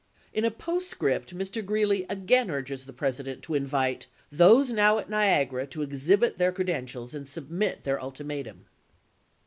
In a postscript Mr. Greeley again urges the President to invite " those now at Niagara to exhibit their ere to BScoU dentials and submit their ultimatum."